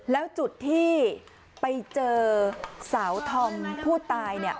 แล้วจุดที่ไปเจอสาวธรรมผู้ตายเนี่ย